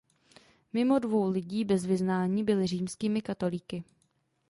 Mimo dvou lidí bez vyznání byli římskými katolíky.